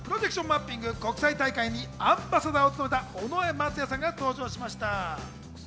マッピング国際大会にアンバサダーを務めた尾上松也さんが登場しました。